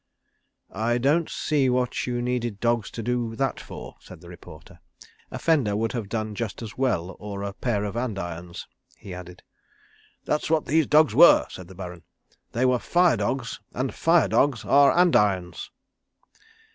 "I don't see what you needed dogs to do that for," said the reporter. "A fender would have done just as well, or a pair of andirons," he added. "That's what these dogs were," said the Baron. "They were fire dogs and fire dogs are andirons."